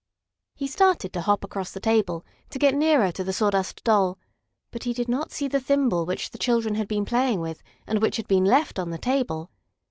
He started to hop across the table, to get nearer to the Sawdust Doll, but he did not see the thimble which the children had been playing with, and which had been left on the table.